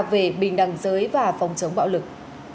về bình đẳng giới và phòng chống bạo lực